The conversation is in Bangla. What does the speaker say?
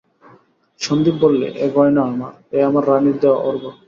সন্দীপ বললে, এ গয়না আমার, এ আমার রানীর দেওয়া অর্ঘ্য।